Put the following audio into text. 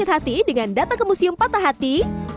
hati dengan data kemuseum patah hati